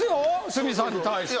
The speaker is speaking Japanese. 角さんに対して。